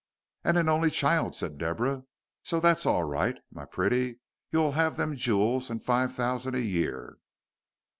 "And an only child," said Deborah, "so that's all right. My pretty, you will have them jewels and five thousand a year."